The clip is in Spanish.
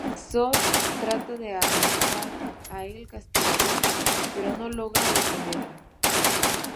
Soap trata de arrestar a El Castigador, pero no logra detenerlo.